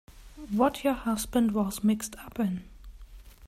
What your husband was mixed up in.